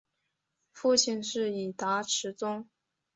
父亲是伊达持宗。